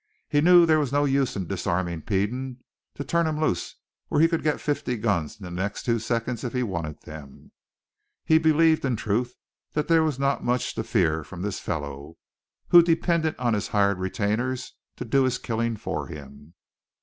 He knew there was no use in disarming Peden, to turn him loose where he could get fifty guns in the next two seconds if he wanted them. He believed, in truth, there was not much to fear from this fellow, who depended on his hired retainers to do his killing for him.